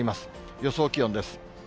予想気温です。